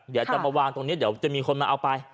เดี๋ยวจะมาวางตรงนี้เดี๋ยวจะมีคนมาเอาไป